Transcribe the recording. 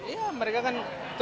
ya mereka kan